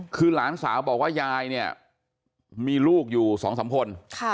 คือหลานสาวบอกว่ายายเนี่ยมีลูกอยู่๒๓คน